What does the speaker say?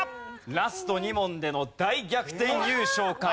ラスト２問での大逆転優勝か。